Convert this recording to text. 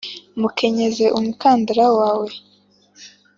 mukenyeze umukandara wawe,